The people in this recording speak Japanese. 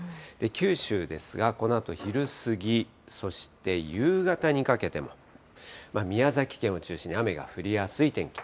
九州ですが、このあと昼過ぎ、そして、夕方にかけても、宮崎県を中心に雨が降りやすい天気。